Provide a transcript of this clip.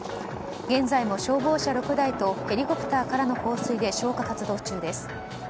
現在も消防車６台とヘリコプターからの放水で消火活動中です。